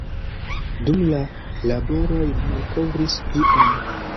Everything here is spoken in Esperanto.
Dum la laboroj li malkovris ion.